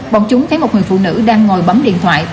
bọn chúng thấy một người phụ nữ đang ngồi bấm điện thoại